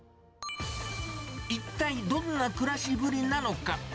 一体どんな暮らしぶりなのか。